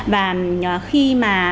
và khi mà